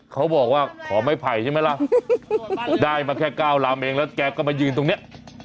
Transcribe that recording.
เขาบอกว่าขอไม้ไผ่ใช่ไหมล่ะได้มาแค่๙ลำเองแล้วแกก็มายืนตรงเนี้ย